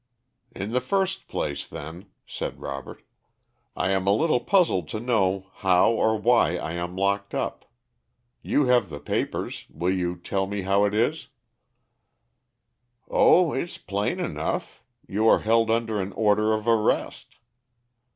"In the first place, then," said Robert, "I am a little puzzled to know how or why I am locked up. You have the papers, will you tell me how it is?" "O it's plain enough. You are held under an order of arrest."